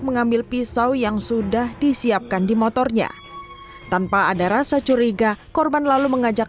mengambil pisau yang sudah disiapkan di motornya tanpa ada rasa curiga korban lalu mengajak